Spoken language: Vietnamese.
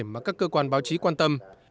mà các cơ quan báo chí quan tâm